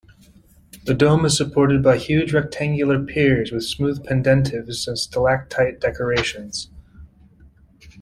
The dome is supported by huge rectangular piers, with smooth pendentives and stalactite decorations.